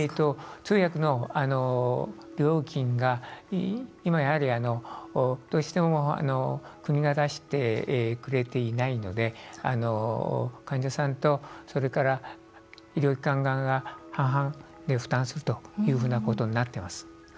通訳の料金が、今やはりどうしても国が出してくれていないので患者さんとそれから医療機関側が半々で負担するということになっています。